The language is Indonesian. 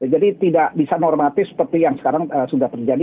jadi tidak bisa normatif seperti yang sekarang sudah terjadi